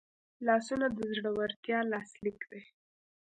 لاسونه د زړورتیا لاسلیک دی